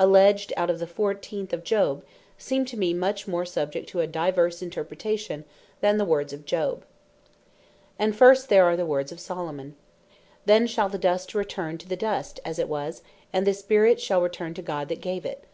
alledged out of the 14 of Job, seem to mee much more subject to a divers interpretation, than the words of Job. And first there are the words of Solomon (Ecclesiastes 12.7.) "Then shall the Dust return to Dust, as it was, and the Spirit shall return to God that gave it."